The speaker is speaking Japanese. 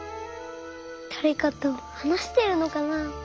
だれかとはなしてるのかな？